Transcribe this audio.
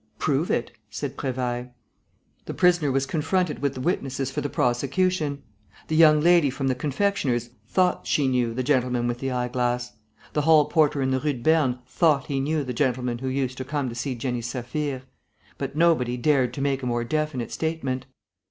"Prove it," said Prévailles. The prisoner was confronted with the witnesses for the prosecution. The young lady from the confectioner's "thought she knew" the gentleman with the eyeglass. The hall porter in the Rue de Berne "thought he knew" the gentleman who used to come to see Jenny Saphir. But nobody dared to make a more definite statement.